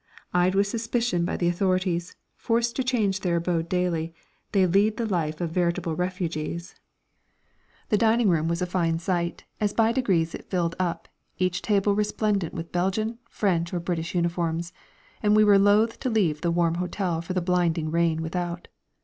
Eyed with suspicion by the authorities, forced to change their abode daily, they lead the life of veritable refugees. The dining room was a fine sight, as by degrees it filled up, each table resplendent with Belgian, French or British uniforms; and we were loath to leave the warm hotel for the blinding rain without.